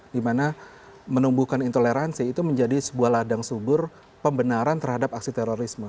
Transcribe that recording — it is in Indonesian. dimana menumbuhkan intoleransi itu menjadi sebuah ladang subur pembenaran terhadap aksi terorisme